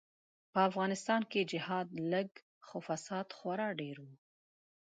به افغانستان کی جهاد لږ خو فساد خورا ډیر وو.